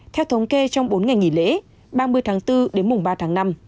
theo thống kê trong bốn ngày nghỉ lễ ba mươi tháng bốn đến mùng ba tháng năm